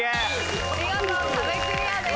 見事壁クリアです。